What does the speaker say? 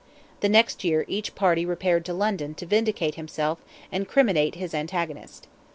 The next year each party repaired to London to vindicate himself and criminate his antagonist.